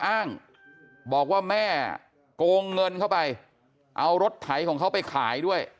อ้างบอกว่าแม่โกงเงินเข้าไปเอารถไถของเขาไปขายด้วย